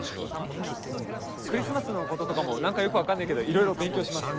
クリスマスのこととかも何かよく分かんねえけどいろいろ勉強します。